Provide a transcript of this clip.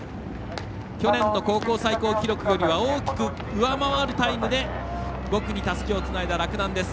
去年の高校最高記録よりは大きく上回るタイムで５区にたすきをつないだ洛南です。